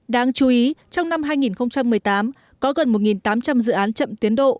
đáng chú ý trong năm hai nghìn một mươi tám có gần một tám trăm linh dự án